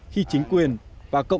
khi chính quyền và cộng đồng